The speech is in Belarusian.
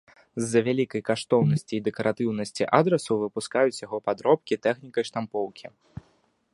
З-за вялікай каштоўнасці і дэкаратыўнасці адрасу выпускаюць яго падробкі тэхнікай штампоўкі.